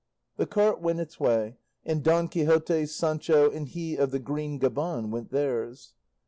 The cart went its way, and Don Quixote, Sancho, and he of the green gaban went theirs.